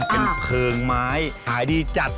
เป็นเพลิงไม้หายดีจัด